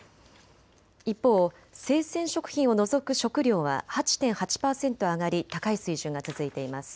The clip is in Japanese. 一方、生鮮食品を除く食料は８．８％上がり高い水準が続いています。